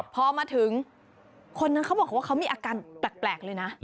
พอมาถึงคนนั้นเขาบอกว่าเขามีอาการแปลกเลยนะ